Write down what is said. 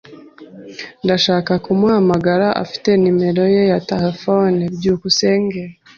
Ndashaka kumuhamagara. Ufite numero ye ya terefone? byukusenge